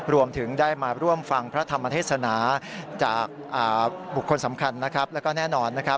รวมถึงได้มาร่วมฟังพระธรรมเทศนาจากบุคคลสำคัญและแน่นอน